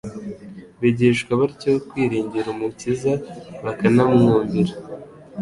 bigishwa batyo kwiringira Umukiza bakanamwumvira.